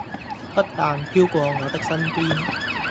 不但飄過我的身邊